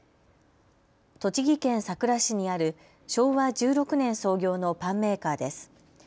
栃木県さくら市にある昭和１６年創業のパンメーカーです。